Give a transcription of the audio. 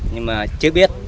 nhưng mà chưa biết